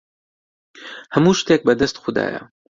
هەموو شتێک بەدەست خودایە.